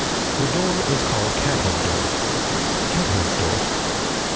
The door is called Cat head Door (Kathoved Dor).